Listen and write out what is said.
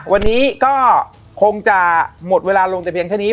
วันนี้ก็คงจะหมดเวลาลงแต่เพียงแค่นี้